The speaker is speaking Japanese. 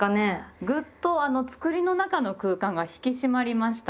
グッとつくりの中の空間が引き締まりました。